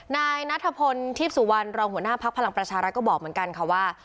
นายนัทพลทีพสุวรรณรองหัวหน้าพักพลังประชารัฐก็บอกเหมือนกันค่ะว่า